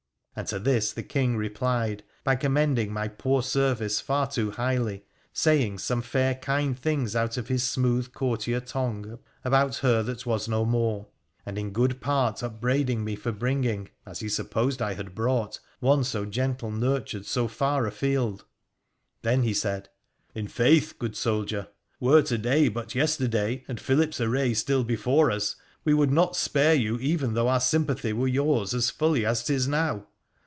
And to this the King replied, by commend ing my poor service far too highly, saying some fair kind things out of his smooth courtier tongue about her that was no more, and in good part upbraiding me for bringing, as he supposed I had brought, one so gentle nurtured so far afield ; then he said, ' In faith, good soldier, were to day but yester day, and Philip's array still before us, we would not spare you even though our sympathy were yours as fully as 'tia now.